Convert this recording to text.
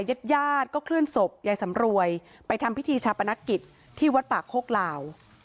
ญาติญาติก็เคลื่อนศพยายสำรวยไปทำพิธีชาปนกิจที่วัดป่าโคกลาว